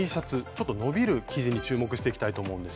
ちょっと伸びる生地に注目していきたいと思うんです。